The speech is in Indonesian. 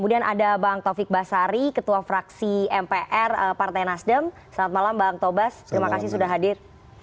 dan ada bang taufik basari ketua fraksi mpr partai nasdem selamat malam bang taufik basari terima kasih sudah hadir